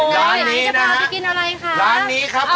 ถึงร้านนี้นะคะ